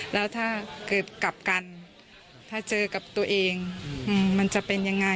แล้วถ้าเกิดกลับกันถ้าเจอกับตัวเองมันจะเป็นยังไง